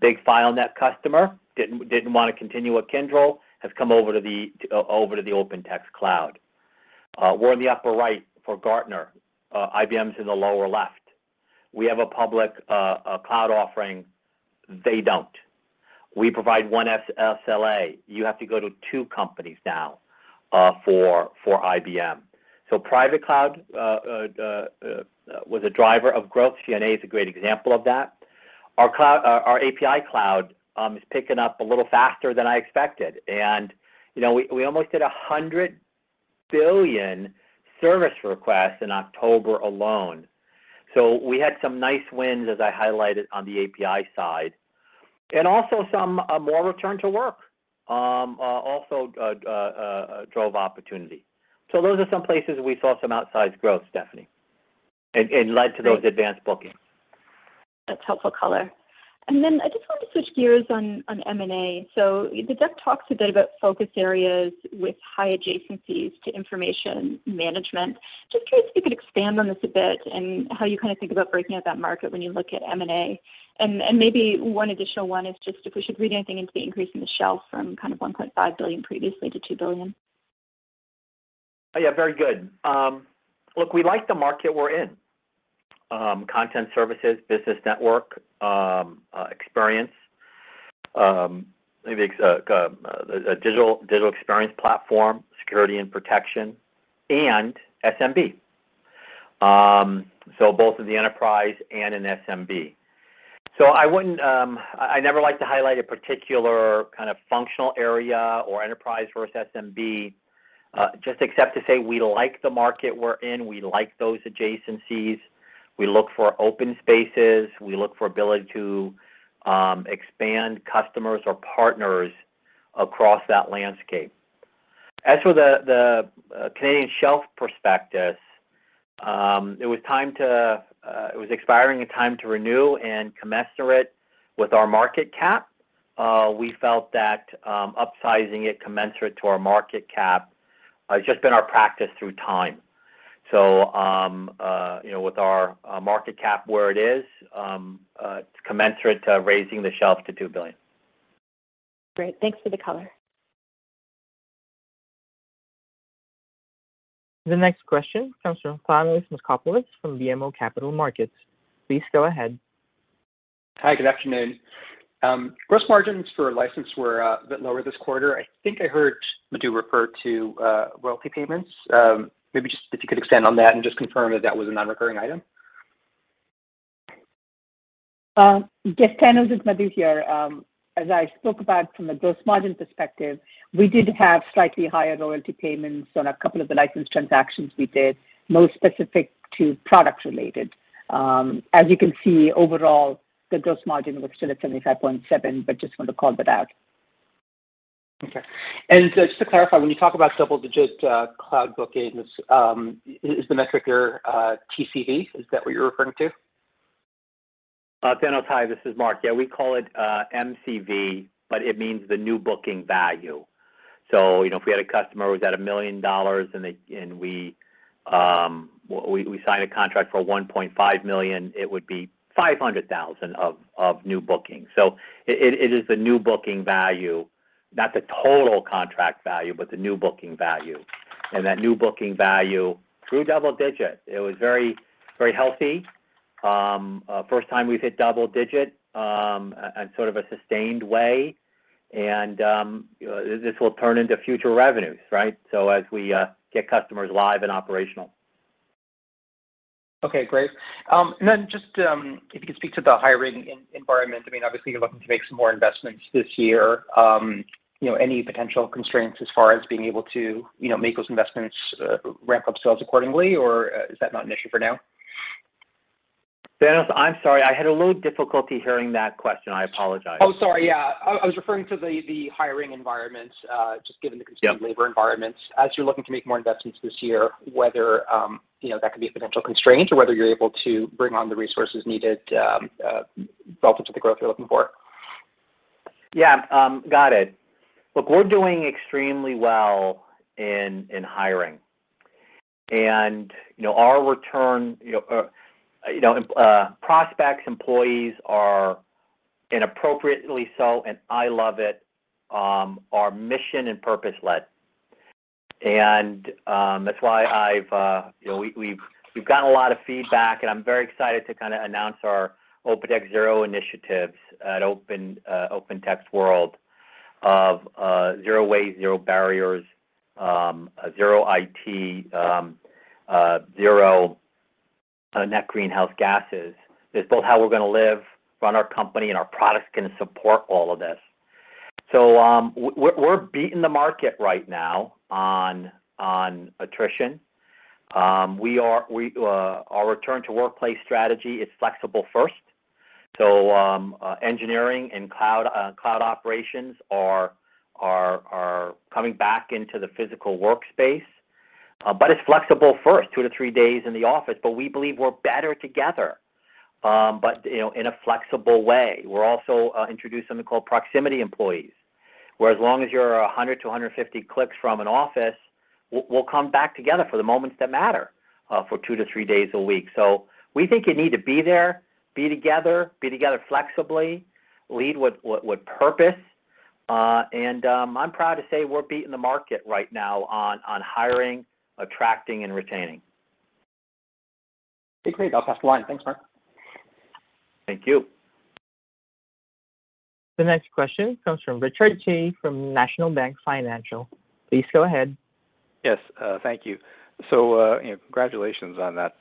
Big FileNet customer, didn't wanna continue with Kyndryl, has come over to the OpenText cloud. We are in the upper right for Gartner. IBM's in the lower left. We have a public cloud offering. They don't. We provide one SLA. You have to go to two companies now for IBM. Private cloud was a driver of growth. CNA is a great example of that. Our API cloud is picking up a little faster than I expected. You know, we almost did 100 billion service requests in October alone. We had some nice wins, as I highlighted on the API side. Also some more return to work drove opportunity. Those are some places we saw some outsized growth, Stephanie, and led to those advanced bookings. That's helpful color. Then I just wanted to switch gears on M&A. The deck talks a bit about focus areas with high adjacencies to information management. Just curious if you could expand on this a bit and how you kind a think about breaking up that market when you look at M&A. Maybe one additional one is just if we should read anything into the increase in the shelf from kind of $1.5 billion previously to $2 billion. Yeah. Very good. Look, we like the market we're in. Content services, business network, experience, maybe a digital experience platform, security and protection, and SMB. Both in the enterprise and in SMB. I never like to highlight a particular kind of functional area or enterprise versus SMB, just, except to say we like the market we're in, we like those adjacencies. We look for open spaces, we look for ability to expand customers or partners across that landscape. As for the Canadian shelf prospectus, it was expiring, a time to renew and commensurate with our market cap. We felt that upsizing it commensurate with our market cap has just been our practice over time. You know, with our market cap where it is, it's commensurate to raising the shelf to $2 billion. Great. Thanks for the color. The next question comes from Thanos Moschopoulos from BMO Capital Markets. Please go ahead. Hi, good afternoon. Gross margins for license were a bit lower this quarter. I think I heard Madhu refer to royalty payments. Maybe just if you could expand on that and just confirm if that was a non-recurring item. Yes, Thanos, it's Madhu here. As I spoke about from a gross margin perspective, we did have slightly higher royalty payments on a couple of the license transactions we did, most specific to product related. As you can see, overall the gross margin was still at 75.7%, but I just want to call that out. Okay. Just to clarify, when you talk about double-digit cloud bookings, is the metric your TCV? Is that what you're referring to? Thanos, hi, this is Mark. Yeah, we call it MCV, but it means the new booking value. You know, if we had a customer who's at $1 million and we signed a contract for $1.5 million, it would be $500,000 of new bookings. It is the new booking value, not the total contract value, but the new booking value. That new booking value grew double digits. It was very healthy. First time we've hit double digit and sort of a sustained way. This will turn into future revenues, right? As we get customers live and operational. Okay, great. Just, if you could speak to the hiring environment. I mean, obviously you're looking to make some more investments this year. You know, any potential constraints as far as being able to, you know, make those investments, ramp up sales accordingly, or, is that not an issue for now? Thanos, I'm sorry. I had a little difficulty hearing that question. I apologize. Oh, sorry. Yeah. I was referring to the hiring environment just given the, Yeah... constrained labor environments. As you're looking to make more investments this year, whether that could be a potential constraint or whether you're able to bring on the resources needed, relative to the growth you're looking for. Yeah. Got it. Look, we're doing extremely well in hiring. You know, our recruiting prospects, employees are increasingly so, and I love it, are mission and purpose led. That's why we've gotten a lot of feedback, and I'm very excited to kind of announce our OpenText Zero-In Initiative at OpenText World of zero waste, zero barriers, zero emissions, zero net greenhouse gases. It's both how we're gonna live, run our company, and our products can support all of this. We're beating the market right now on attrition. Our return to workplace strategy is flexible first. Engineering and cloud operations are coming back into the physical workspace. It's flexible first, 2-3 days in the office, but we believe we're better together, you know, in a flexible way. We're also introducing something called proximity employees, where as long as you're 100-150 clicks from an office, we'll come back together for the moments that matter, for 2-3 days a week. We think you need to be there, be together flexibly, lead with purpose. I'm proud to say we're beating the market right now on hiring, attracting and retaining. Okay, great. I'll pass the line. Thanks, Mark. Thank you. The next question comes from Richard Tse from National Bank Financial. Please go ahead. Yes. Thank you. You know, congratulations on that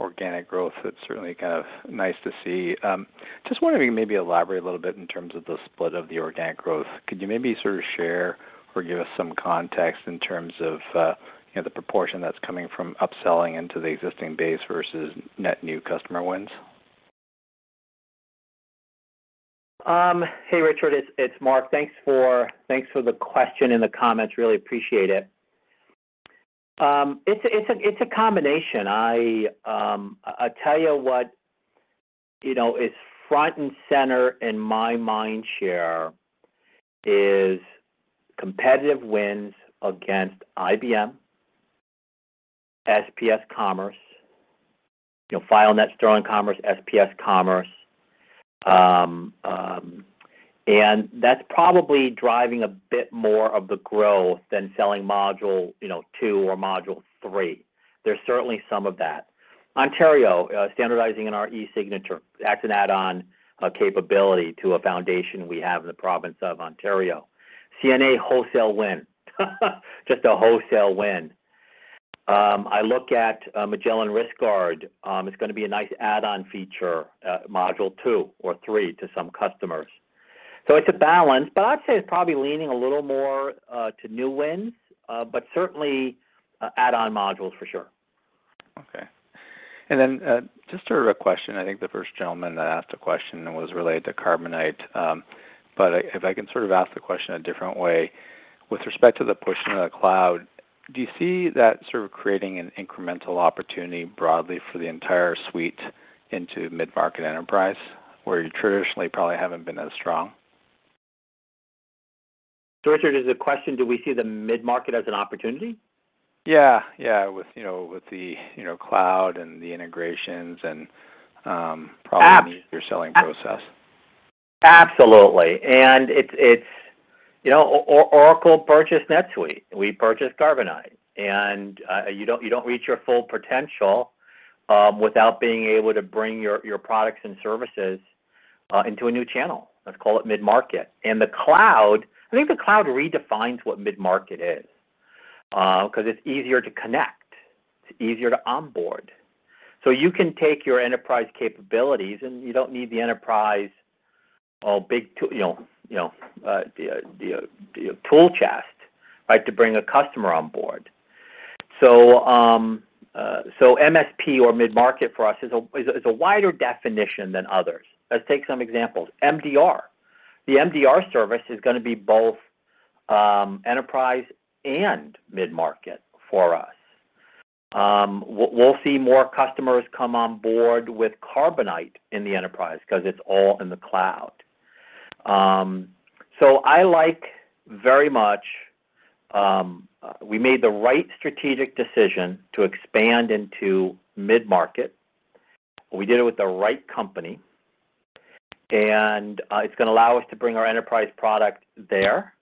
organic growth. It's certainly kind of nice to see. Just wondering if you maybe elaborate a little bit in terms of the split of the organic growth. Could you maybe sort of share or give us some context in terms of, you know, the proportion that's coming from upselling into the existing base versus net new customer wins? Hey, Richard, it's Mark. Thanks for the question and the comments. Really appreciate it. It's a combination. I'll tell you what, you know, is front and center in my mind share is competitive wins against IBM, SPS Commerce, you know, FileNet, Sterling Commerce, SPS Commerce. That's probably driving a bit more of the growth than selling module two or module three. There's certainly some of that. Ontario standardizing in our e-signature. That's an add-on capability to a foundation we have in the province of Ontario. CNA wholesale win. Just a wholesale win. I look at Magellan Risk Guard, it's gonna be a nice add-on feature, module two or three to some customers. It's a balance, but I'd say it's probably leaning a little more to new wins, but certainly add-on modules for sure. Okay. Just sort of a question. I think the first gentleman that asked a question was related to Carbonite. If I can sort of ask the question a different way. With respect to the push into the cloud, do you see that sort of creating an incremental opportunity broadly for the entire suite into mid-market enterprise where you traditionally probably haven't been as strong? Richard, is the question, do we see the mid-market as an opportunity? Yeah. With you know the cloud and the integrations and probably your selling process. Absolutely. It's. You know, Oracle purchased NetSuite, we purchased Carbonite. You don't reach your full potential without being able to bring your products and services into a new channel. Let's call it mid-market. The cloud, I think the cloud redefines what mid-market is, 'cause it's easier to connect, it's easier to onboard. So you can take your enterprise capabilities, and you don't need the enterprise big tool, you know, the tool chest, right, to bring a customer on board. So MSP or mid-market for us is a wider definition than others. Let's take some examples. MDR. The MDR service is gonna be both enterprise and mid-market for us. We'll see more customers come on board with Carbonite in the enterprise 'cause it's all in the cloud. I like very much, we made the right strategic decision to expand into mid-market. We did it with the right company, and it's gonna allow us to bring our enterprise product there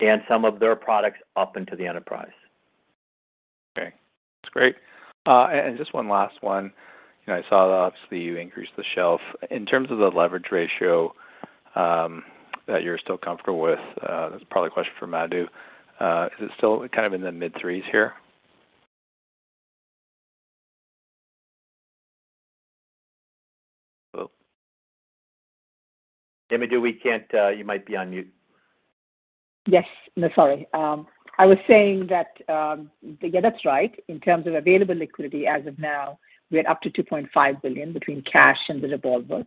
and some of their products up into the enterprise. Okay. That's great. Just one last one. You know, I saw that obviously you increased the shelf. In terms of the leverage ratio, that you're still comfortable with, this is probably a question for Madhu. Is it still kind of in the mid-threes here? Madhu, you might be on mute. Yes. No, sorry. I was saying that, yeah, that's right. In terms of available liquidity as of now, we are up to $2.5 billion between cash and the revolver.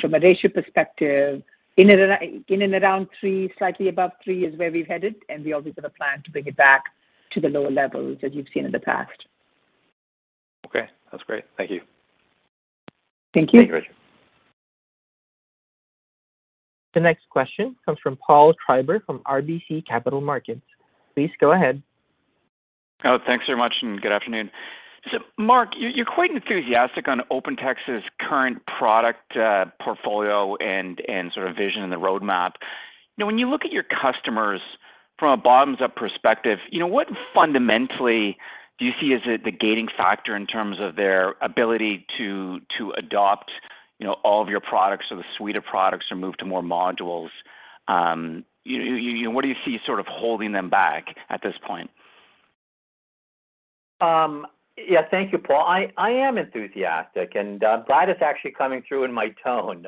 From a ratio perspective, in and around 3, slightly above 3 is where we're headed, and we obviously have a plan to bring it back to the lower levels as you've seen in the past. Okay. That's great. Thank you. Thank you. Thank you, Richard. The next question comes from Paul Treiber from RBC Capital Markets. Please go ahead. Oh, thanks very much, and good afternoon. Mark, you're quite enthusiastic on OpenText's current product portfolio and sort of vision and the roadmap. You know, when you look at your customers from a bottoms-up perspective, you know, what fundamentally do you see as the gating factor in terms of their ability to adopt, you know, all of your products or the suite of products or move to more modules? You, what do you see sort of holding them back at this point? Yeah. Thank you, Paul. I am enthusiastic, and I'm glad it's actually coming through in my tone.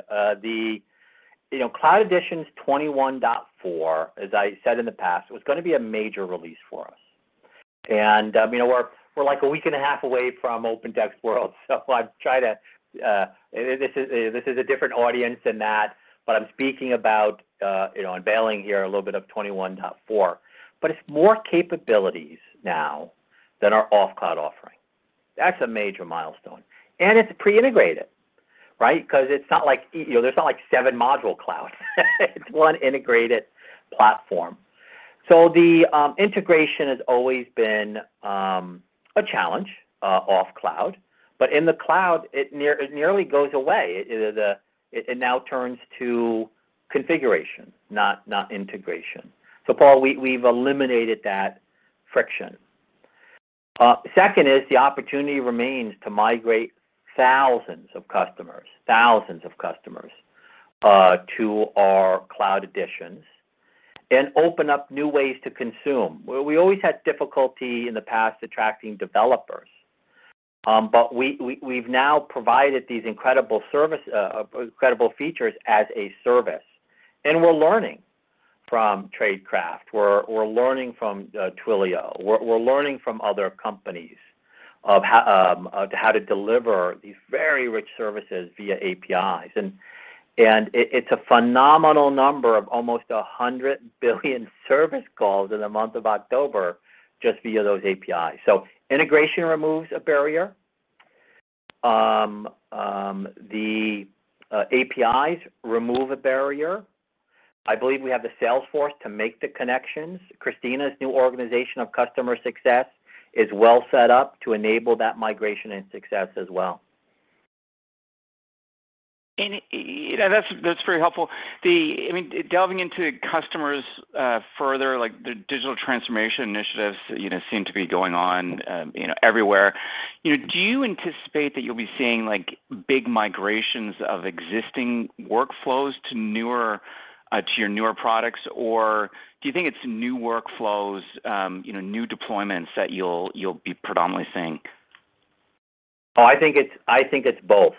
You know, Cloud Editions 21.4, as I said in the past, was gonna be a major release for us. I mean, we're like a week and a half away from OpenText World. This is a different audience than that, but I'm speaking about, you know, unveiling here a little bit of 21.4. It's more capabilities now than our off-cloud offering. That's a major milestone. It's pre-integrated, right? 'Cause it's not like, you know, there's not like seven module cloud. It's one integrated platform. The integration has always been a challenge off cloud. In the cloud, it nearly goes away. It now turns to configuration, not integration. Paul, we've eliminated that friction. Second is the opportunity remains to migrate thousands of customers to our cloud editions and open up new ways to consume. We always had difficulty in the past attracting developers. We've now provided these incredible features as a service, and we're learning from Stripe, we're learning from Twilio, we're learning from other companies of how to deliver these very rich services via APIs. It's a phenomenal number of almost 100 billion service calls in the month of October just via those APIs. Integration removes a barrier. The APIs remove a barrier. I believe we have the sales force to make the connections. Christina's new organization of customer success is well set up to enable that migration and success as well. You know, that's very helpful. I mean, delving into customers further, like the digital transformation initiatives, you know, seem to be going on, you know, everywhere. You know, do you anticipate that you'll be seeing like big migrations of existing workflows to your newer products, or do you think it's new workflows, you know, new deployments that you'll be predominantly seeing? I think it's both.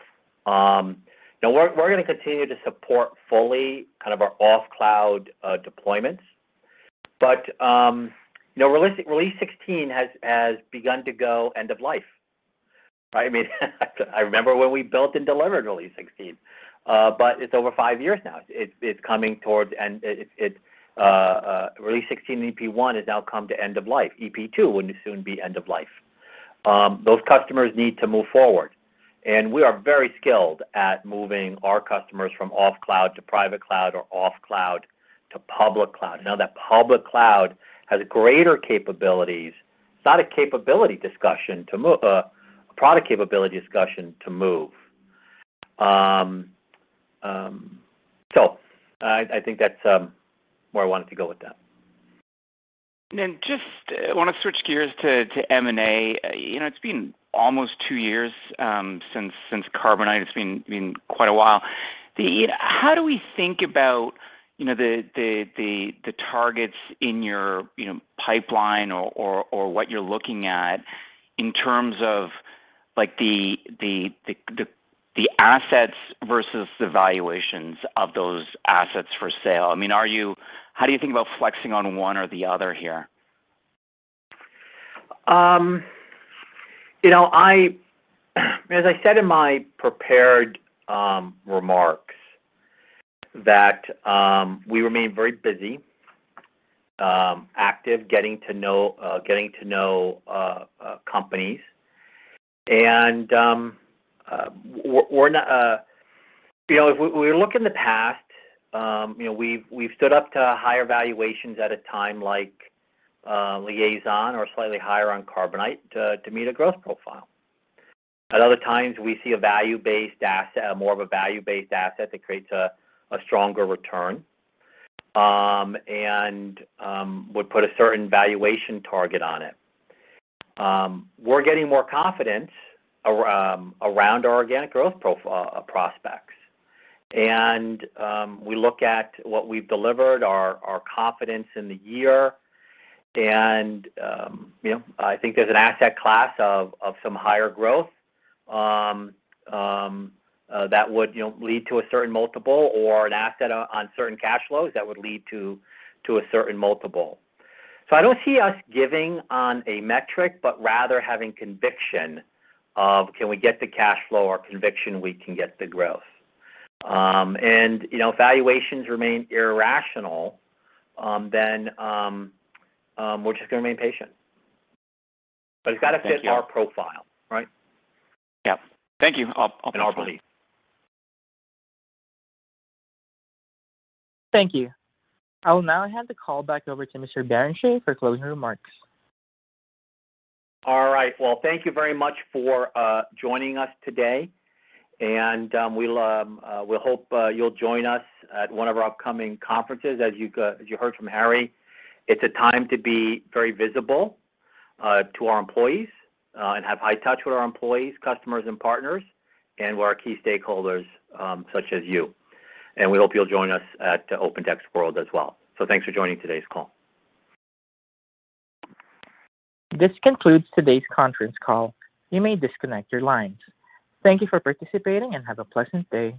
Now we're gonna continue to support fully kind of our off cloud deployments. You know, release 16 has begun to go end of life, right? I mean, I remember when we built and delivered release 16. It's over 5 years now. It's coming towards end of life, and release 16 EP.1 has now come to end of life. EP.2 will soon be end of life. Those customers need to move forward, and we are very skilled at moving our customers from off cloud to private cloud or off cloud to public cloud. Now that public cloud has greater capabilities. It's not a capability discussion, a product capability discussion to move. I think that's where I wanted to go with that. Just wanna switch gears to M&A. You know, it's been almost two years since Carbonite. It's been quite a while. How do we think about, you know, the targets in your pipeline or what you're looking at in terms of like the assets versus the valuations of those assets for sale? I mean, how do you think about flexing on one or the other here? You know, as I said in my prepared remarks that we remain very busy, active, getting to know companies. We're not. You know, if we look in the past, you know, we've stood up to higher valuations at a time like Liaison or slightly higher on Carbonite to meet a growth profile. At other times, we see a value-based asset, more of a value-based asset that creates a stronger return, and would put a certain valuation target on it. We're getting more confidence around our organic growth prospects. We look at what we've delivered, our confidence in the year and, you know, I think there's an asset class of some higher growth that would, you know, lead to a certain multiple or an asset on certain cash flows that would lead to a certain multiple. I don't see us giving on a metric, but rather having conviction of can we get the cash flow or conviction we can get the growth. You know, valuations remain irrational, then we're just gonna remain patient. Thank you. It's gotta fit our profile, right? Yeah. Thank you. In our belief. Thank you. I will now hand the call back over to Mr. Barrenechea for closing remarks. All right. Well, thank you very much for joining us today, and we hope you'll join us at one of our upcoming conferences. As you heard from Harry, it's a time to be very visible to our employees and have high touch with our employees, customers, and partners, and with our key stakeholders such as you. We hope you'll join us at OpenText World as well. Thanks for joining today's call. This concludes today's conference call. You may disconnect your lines. Thank you for participating, and have a pleasant day.